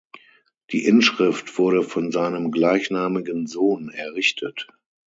Die Inschrift wurde von seinem gleichnamigen Sohn errichtet.